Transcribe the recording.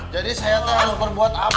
jadi saya ini harus berbuat apa